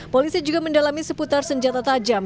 polisi juga mendalami seputar senjata tajam